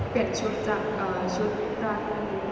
เปลี่ยนชุดจากชุดร้าน